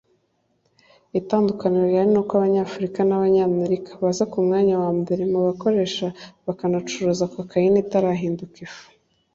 Itandukaniro rihari ni uko Abanyafurika b’Abanyamerika baza ku mwanya wa mbere mu bakoresha bakanacuruza cocaine itarahinduka ifu